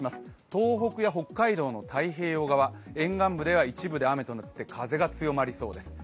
東北や北海道の太平洋側、沿岸部では一部で雨となって風が強まりそうです。